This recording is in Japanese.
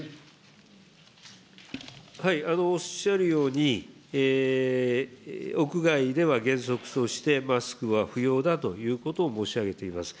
おっしゃるように、屋外では原則としてマスクは不要だと申し上げています。